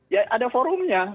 ya ada forumnya